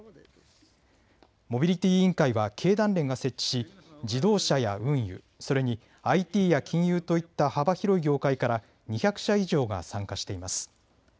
モビリティ委員会は経団連が設置し、自動車や運輸、それにＩＴや金融といった幅広い業界から２００社以上が参加しています。